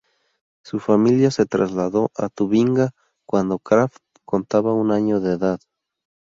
Su familia se trasladó a Tubinga cuando Krafft contaba un año de edad.